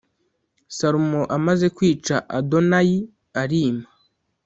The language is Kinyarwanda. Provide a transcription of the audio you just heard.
Salomo amaze kwica Adonayi arima